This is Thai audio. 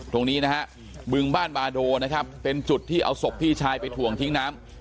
ตรงนี้นะฮะบึงบ้านบาโดนะครับเป็นจุดที่เอาศพพี่ชายไปถ่วงทิ้งน้ำ